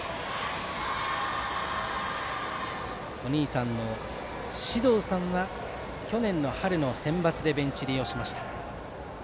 お兄さんの至憧さんは去年春のセンバツでベンチ入りしました。